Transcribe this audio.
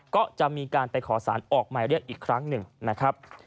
ก็จะมีการไปขอสารออกหมายเรียกอีกครั้งหนึ่งนะครับ